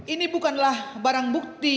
ini bukanlah barang bukti